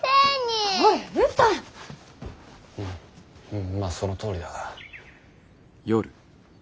うんまぁそのとおりだが。